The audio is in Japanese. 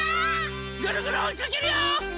ぐるぐるおいかけるよ！